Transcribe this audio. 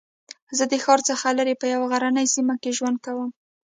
زه د ښار څخه لرې په یوه غرنۍ سېمه کې ژوند کوم